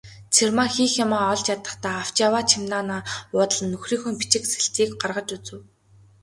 Цэрмаа хийх юмаа олж ядахдаа авч яваа чемоданаа уудлан нөхрийнхөө бичиг сэлтийг гаргаж үзэв.